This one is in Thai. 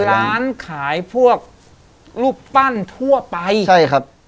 เพราะคือร้านขายพวกรูปปั้นทั่วไปใช่ครับเพราะคือร้านขายพวกรูปปั้นทั่วไป